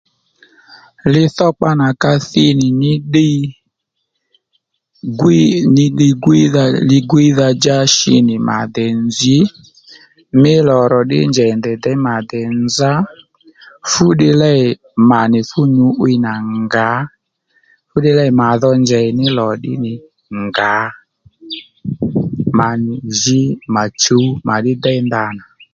Li dhokpa nà ka thi nì ní ddiy gwíy mí ligwíydha djá shi nì mà dè nzǐ mí lò rò ddí njèy ndèy děy mà dè nzá fú ddiy lêy mà nì fú nyǔ'wiy nà ngǎ fú ddiy lêy màdho njèy ní lò ddí nì ngǎ mà nì jǐ mà chǔw mà ddí déy ndanà